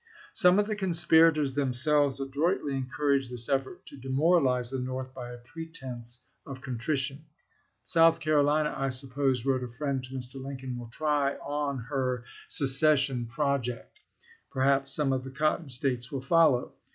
Some of the conspirators themselves adroitly encouraged this effort to de moralize the North by a pretense of contrition. " South Carolina, I suppose," wrote a friend to Mr. Lincoln, " will try on her secession project. Per haps some of the Cotton States will follow.